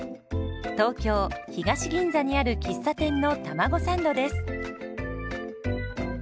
東京・東銀座にある喫茶店のたまごサンドです。